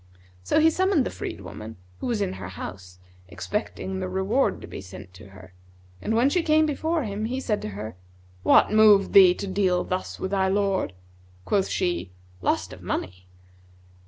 So he summoned the freed woman, who was in her house, expecting the reward to be sent to her, and when she came before him he said to her, 'What moved thee to deal thus with thy lord?' Quoth she, 'Lust of money.'